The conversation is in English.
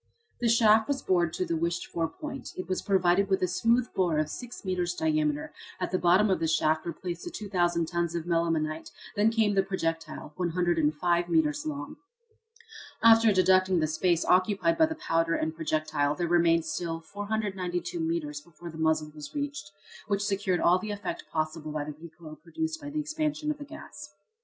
The shaft was bored to the wished for point. It was provided with a smooth bore of six metres diameter. At the bottom of the shaft were placed the 2,000 tons of melimelonite; then came the projectile 105 metres long. After deducting the space occupied by the powder and projectile there remained still 492 metres before the muzzle was reached, which secured all the effect possible by the recoil produced by the expansion of the gas.